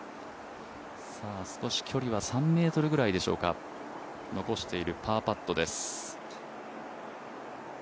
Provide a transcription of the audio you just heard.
少し距離は３ｍぐらいでしょうか、残しているパーパットです。